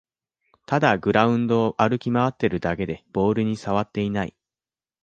ただグラウンドを歩き回ってるだけでボールにさわっていない